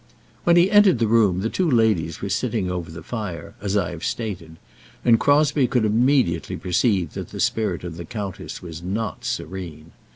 When he entered the room the two ladies were sitting over the fire, as I have stated, and Crosbie could immediately perceive that the spirit of the countess was not serene.